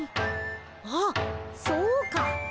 あっそうか！